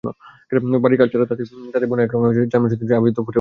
বাড়তি কাজ ছাড়া তাঁতে বোনা একরঙা জমিনের সুতি শাড়িতে আভিজাত্যও ফুটে ওঠে।